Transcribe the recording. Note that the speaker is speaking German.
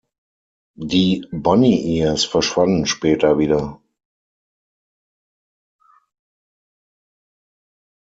Die „bunny ears“ verschwanden später wieder.